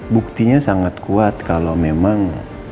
buktinya sangat kuat kalau memang